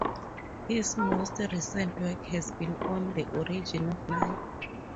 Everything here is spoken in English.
His most recent work has been on the origin of life.